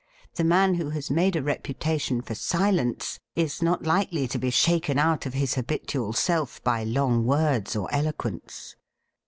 The man who has made a reputation for silence is not likely to be shaken out of his habitual self by long words or elo quence.